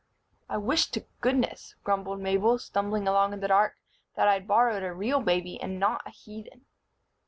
"I wish to goodness," grumbled Mabel, stumbling along in the dark, "that I'd borrowed a real baby and not a heathen."